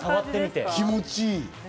気持ちいい。